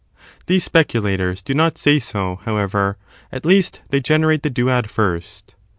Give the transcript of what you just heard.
These specu lators do not say so, however, at least they generate the duad^ first.